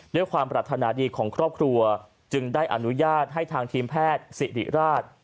ด้วยความปรารถนาดีของครอบครัวจึงได้อนุญาตให้ทางทีมแพทย์สิริราช